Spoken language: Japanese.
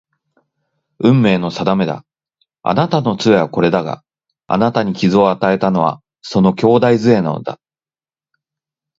運命の定めだ。あなたの杖はこれだが、あなたに傷を与えたのはその兄弟杖なのだ